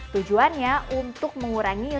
tujuannya untuk mengurangi rakyat